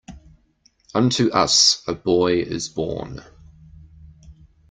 Unto us a boy is born.